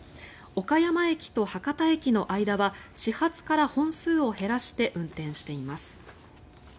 岡山駅と博多駅の間は始発から本数を減らして運転しています。